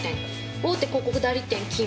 「大手広告代理店勤務。